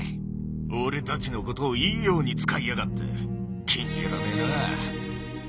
俺たちのことをいいように使いやがって気に入らねえな。